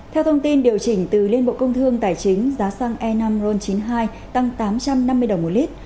theo thông tin điều chỉnh từ liên bộ công thương tài chính giá xăng e năm ron chín mươi hai tăng tám trăm năm mươi đồng một lít